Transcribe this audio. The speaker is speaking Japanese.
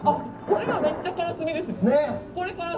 これはめっちゃからすみですね。